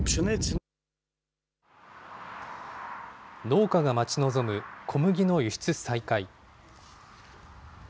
農家が待ち望む小麦の輸出再開。